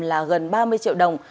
là gần ba mươi triệu đồng